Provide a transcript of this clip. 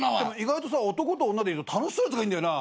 男と女で楽しそうなやつがいんだよな。